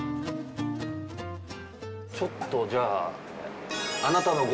ちょっとじゃあ。